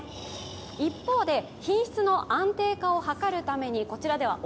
一方で、品質の安定化をはかるためにこちらではｑ